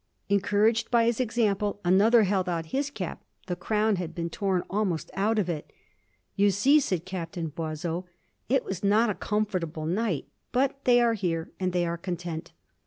Encouraged by his example, another held out his cap. The crown had been torn almost out of it. "You see," said Captain Boisseau, "it was not a comfortable night. But they are here, and they are content."